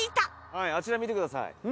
はいあちら見てください。